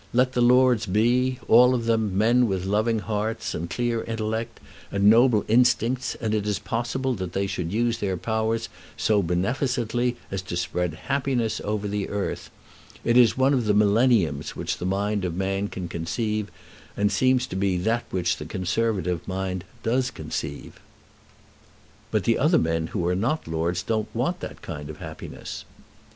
Let the lords be, all of them, men with loving hearts, and clear intellect, and noble instincts, and it is possible that they should use their powers so beneficently as to spread happiness over the earth. It is one of the millenniums which the mind of man can conceive, and seems to be that which the Conservative mind does conceive." "But the other men who are not lords don't want that kind of happiness."